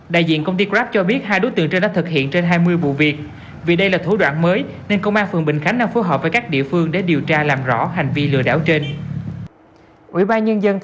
đại diện công ty grab cho biết hai đối tượng trên đã thực hiện trên hai mươi vụ việc vì đây là thủ đoạn mới nên công an phường bình khánh đang phối hợp với các địa phương để điều tra làm rõ hành vi lừa đảo trên